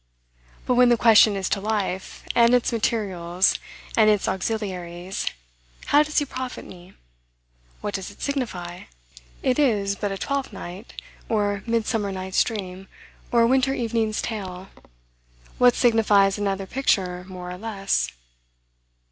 But when the question is to life, and its materials, and its auxiliaries, how does he profit me? What does it signify? It is but a Twelfth Night, or Midsummer Night's Dream, or a Winter Evening's Tale: what signifies another picture more or less?